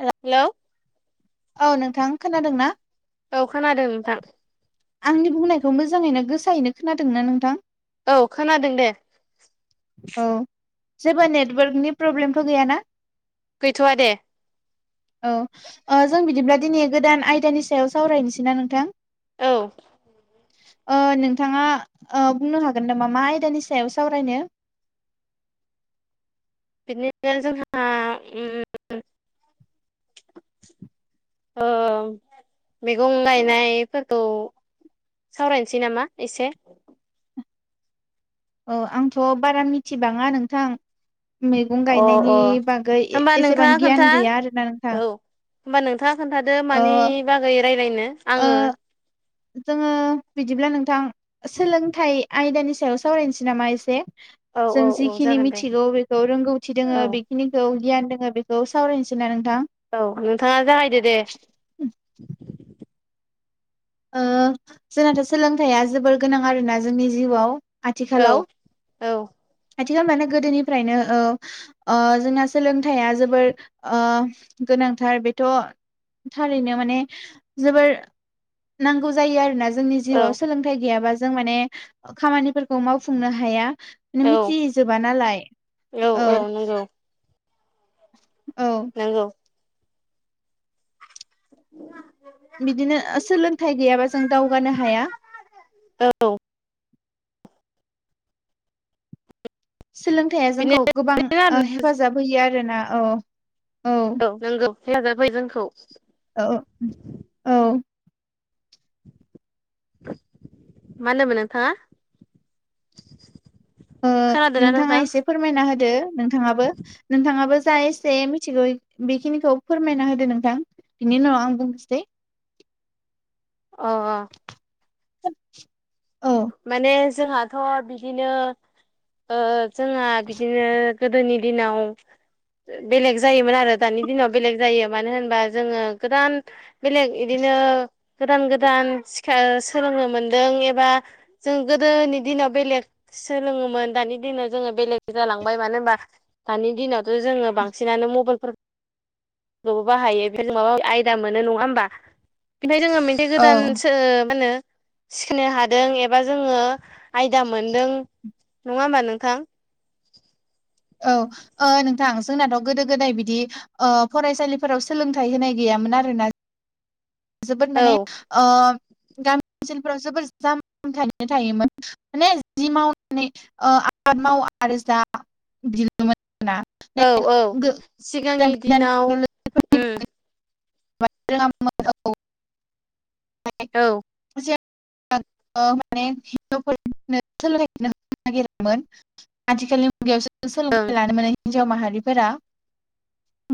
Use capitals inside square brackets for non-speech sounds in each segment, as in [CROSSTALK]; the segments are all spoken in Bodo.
ए हेल' औ नोंथां खोनादों ना? औ खोनादों नोंथां। आंनि बुंनायखौ मोजाङैनो गोसायैनो खोनादों ना नोंथां? औ खोनादों दे। औ जेबो नेटवर्कनि प्रब्लेमफोर गैयाना? गैथ'आ दे। [INAUDIBLE] औ जों बिदिब्ला दिनै गोदान आयदानि सायाव सावरायनोसै ना नोंथां। औ। ओ नोंथाङा ओ बुंनो हागोन नामा मा आयदानि सायाव सावरायनो। बिदि जोंहा उम ओ मैगं गायनायफोरखौ सावरायनोसै नामा एसे औ आंथ' बारा मिथिबाङा नोंथां। मैगं अ गायनायनि अ बागै होमबा एसेबां नोंथाङा गियान खोन्था गैया आरोना नोंथां। औ होमबा नोंथाङा खोन्थादो ओ मानि बागै रायज्लायनो ओ आङो जोङो बिदिब्ला नोंथां सोलोंथाइ आयदानि सायाव सावरायनोसै नामा एसे औ जों औ औ जिखिनि जागोन दे मिथिगौ बेखौ रोंगौथि औ दोङो बेखिनिखौ गियान दोङो बेखौ सावरायनोसै ना नोंथां? औ नोंथाङा जागायदो दे। ओ जोंनाथ' सोलोंथाइया जोबोर गोनां आरोना जोंनि जिउआव औ आथिखालाव औ आथिखाल माने गोदोनिफ्रायनो ओ ओ जोंना सोलोंथाइया ओ जोबोर गोनांथार बेथ' थारैनो माने जोबोर नांगौ जायो आरोोना जोंनि औ जिउआव सोलोंथाइ गैयाबा जों माने खामानिफोरखौ मावफुंनो हाया माने औ मिथिजोबा नालाय औ। औ। नंगौ। बिदिनो सोलोंथाइ गैयाबा जों दावगानो हाया। औ। सोलोंथाइया बिदिनो जोंखौ गोबां आरोना हेफाजाब होयो आरोना औ औ। नोंगौ हेफाजाब होैयो जोंखौ। औ औ। मा होनदोंमोन नोंथाङा। ओ खोनादोंना नोंथाङा नोंथां एसे फोरमायना होदो नोंथाङाबो नोंथाङाबो जाय एसे मिथिगौ बेखिनिखौ फोरमायना होदो नोंथां बिनि उनाव आं बुंनोसै। [INAUDIBLE] अ' अ'। औ। माने जोंहाथ' बिदिनो ओ जोंहा बिदिनो गोदोनि दिनाव बेलेग जायोमोन आरो दानि दिनाव बेलेग जायो मानो होनबा जोङो गोदान बेलेग बिदिनो गोदान गोदान सिखा सोलोंनो मोनदों एबा जों गोदोनि दिनाव बेलेग सोलोङोमोन दानि दिनाव जोङो बेलेग जालांबाय मानो होनबा दानि दिनावथ' जोङो बांसिनानो मबाइलफोर बो बाहायो बेफाय जों माबा आयदा मोनो नङा होमबा बेनिफाय जोङो औ गोदानसो मा होनो सिखनो हादों ए बा जोङो आयदा मोनदों नङा होमबा नोंथां। औ ओ नोंथां जोंनाथ' गोदो गोदाय बिदि ओ फरायसालिफोराव सोलोंथाइ होनाय गैयामोन आरोना जोबोद माने औ ओ गामि ओनसोलफ्राव जोबोद जामथनो थायोमोन। माने जि मावनानै ओ आबाद मावो आरो जा मोन ना औ औ सिगांनि दिनाव उम [UNINTELLIGIBLE] [UNINTELLIGIBLE] औ सेब माने हिजावफोरनो सोलोंनो होनो नागिरोमोन। आथिखालनि मुगायावसो ओं सोलोंथाइ लानो मोनो हिन्जाव माहारिफोरा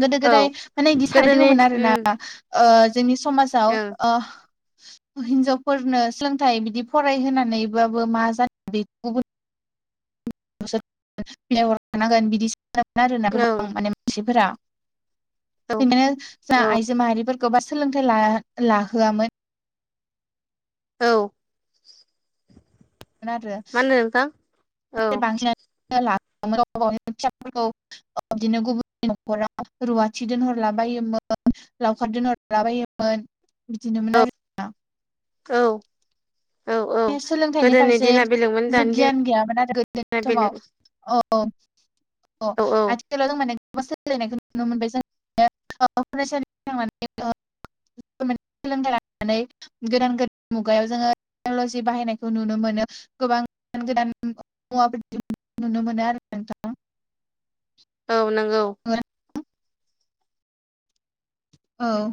गोदो औ गोदाय माने बिदि साराय गोदोनि दङमोन आरो ना उम ओ जोंनि समाजाव ओं ओ हिनजावफोरनो सोलोंथाइ बिदि फरायहोनानैबाबो मा जानो गुबुन प्लेअर थानांगोन बिदिसोानोन आरोोना गोबां माने मानसिफोरा औ बिदिनो जा औ आइजो माहारिफोरखौ ब सोलोंथाइ लाहोआमोन औ होन आरो मा होनो नोंथां। औ एसे बांसिन लाबोमोन अबाव फिसाफोरखौ बिदिनो गुबुननि न'खराव रुवाथि दोनहरला बायोमोन लावखार दोनहरला बायोमोन औ बिदिनोमोन आरो औ औ औ बे सोलोंथाइनि गोदोनि फारसे दिना बेलेगमोन जेबो दानि गियान दिना गैयामोन आरो गोदोनि समाव बेलेग औ अ औ औ आ थिव जों माने गो सोलायनायखौ नुनो मोनबाय जों फरायसालि माने [INAUDIBLE] सोलोंथाइ लानानै गोदान-गोदान मुगायाव जोङो टेक्नलजि बाहायनायखौ नुनो मोनो गोबां [INAUDIBLE] दान-गोदान [INAUDIBLE] नुनो मोनो आरो नोंथां। औ नोंगौ। [UNINTELLIGIBLE] औ